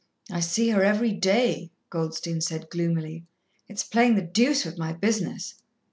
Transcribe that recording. "I see her every day," Goldstein said gloomily. "It's playing the deuce with my business.